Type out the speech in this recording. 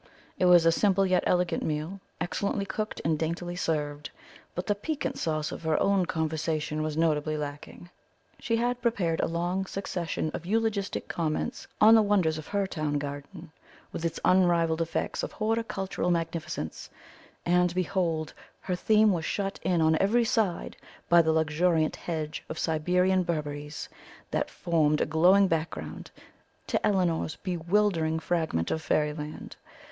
It was a simple yet elegant meal, excellently cooked and daintily served, but the piquant sauce of her own conversation was notably lacking. She had prepared a long succession of eulogistic comments on the wonders of her town garden, with its unrivalled effects of horticultural magnificence, and, behold, her theme was shut in on every side by the luxuriant hedge of Siberian berberis that formed a glowing background to Elinor's bewildering fragment of fairyland.